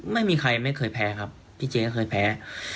ไม่มีใครไม่เคยแพ้ครับพี่เจ๊ก็เคยแพ้